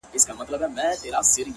• هغه چي ګرځی سوداګر دی په ونه غولیږی,